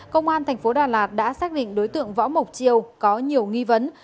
công an tp đà lạt đã xác định đối tượng võ mộc chiêu có nhiều nghi vấn